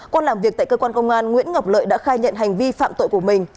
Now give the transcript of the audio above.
qua làm việc tại cơ quan công an nguyễn ngọc lợi đã khai nhận hành vi phạm tội của mình